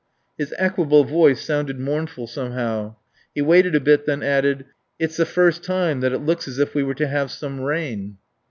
His equable voice sounded mournful somehow. He waited a bit, then added: "It's the first time that it looks as if we were to have some rain."